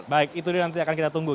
baik itu dia nanti akan kita tunggu